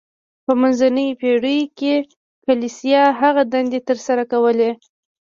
په منځنیو پیړیو کې کلیسا هغه دندې تر سره کولې.